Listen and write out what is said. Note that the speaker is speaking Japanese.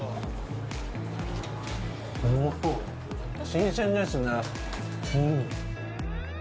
新鮮ですね。